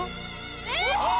えっ！